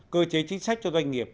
cơ chế chính sách cho doanh nghiệp